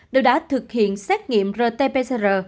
đều đã thực hiện xét nghiệm rt pcr